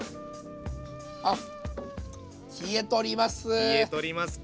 あっ冷えとりますか。